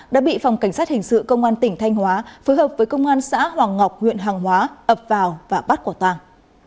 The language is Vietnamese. đã bị phòng cảnh sát hình sự công an tỉnh thanh hóa phối hợp với công an xã hoàng ngọc huyện hoàng hóa ập vào và bắt quả tàng